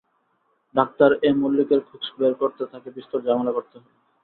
Doctor A মল্লিকের খোঁজ বের করতে তাঁকে বিস্তর ঝামেলা করতে হল।